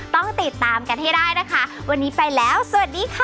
ต้องติดตามกันให้ได้นะคะวันนี้ไปแล้วสวัสดีค่ะ